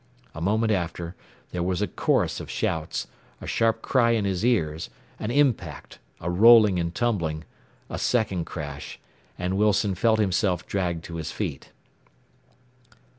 A moment after there was a chorus of shouts, a sharp cry in his ears, an impact, a rolling and tumbling, a second crash, and Wilson felt himself dragged to his feet.